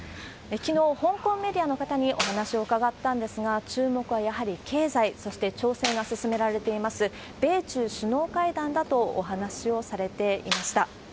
きのう、香港メディアの方にお話を伺ったんですが、注目はやはり経済、そして調整が進められています、米中首脳会談だとお話をされていました。